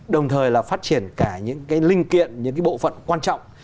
đồng thời là phát triển cả những cái linh kiện những bộ phận quan trọng